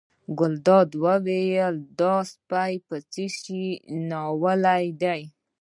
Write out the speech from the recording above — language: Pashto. ګلداد وویل دا سپی په څه شي ناولی دی.